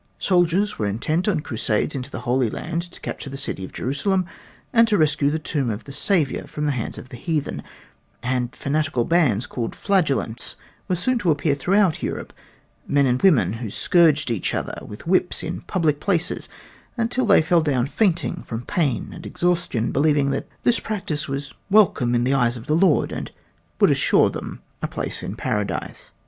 Soldiers were intent on crusades into the Holy Land to capture the city of Jerusalem and to rescue the tomb of the Savior from the hands of the heathen, and fanatical bands called "flagellants" were soon to appear throughout Europe men and women who scourged each other with whips in public places until they fell down fainting from pain and exhaustion, believing that this practice was welcome in the eyes of the Lord and would assure them a place in Paradise.